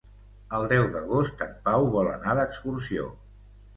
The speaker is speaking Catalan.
El deu d'agost en Pau vol anar d'excursió.